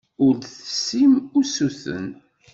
Ur d-tessim usuten.